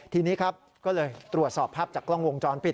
ทีนี้ครับก็เลยตรวจสอบภาพจากกล้องวงจรปิด